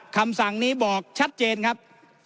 คำสั่งนี้บอกชัดเจนครับ